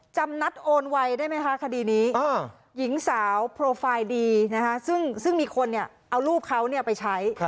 จำนัดโอนไวได้ไหมคะคดีนี้หญิงสาวโปรไฟล์ดีนะคะซึ่งมีคนเอารูปเขาไปใช้